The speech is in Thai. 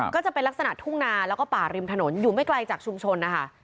ก็จะเป็นลักษณะทุ่งนาแล้วก็ป่าริมถนนอยู่ไม่ไกลจากชุมชนนะคะ